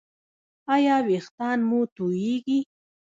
ایا ویښتان مو توییږي؟